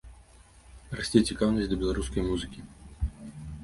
Расце цікаўнасць да беларускай музыкі.